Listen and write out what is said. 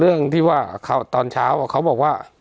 เรื่องที่ว่าตอนเช้าเขาบอกว่า